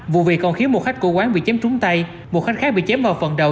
vụ việc còn khiến một khách của quán bị chém trúng tay một khách khác bị chém vào phần đầu